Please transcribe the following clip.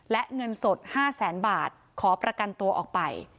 และเงินสด๕แสนบาทขอประกันตัวออกไป